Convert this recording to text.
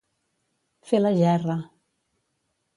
Fer la gerra.